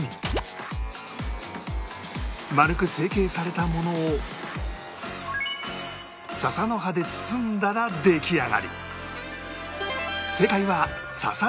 丸く成形されたものを笹の葉で包んだら出来上がり